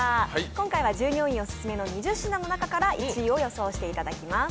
今回は従業員オススメの２０品の中から１位を予想していただきます。